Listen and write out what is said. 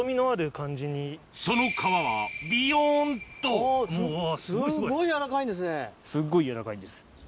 その皮はビヨンとすっごい柔らかいんです。